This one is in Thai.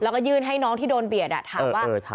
แล้วก็ยื่นให้น้องที่โดนเบียดถามว่า